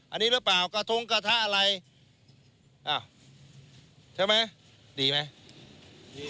อันนี้หรือเปล่ากระทงกระทะอะไรอ้าวใช่ไหมดีไหม